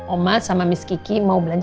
oma sama miss kiki mau belanja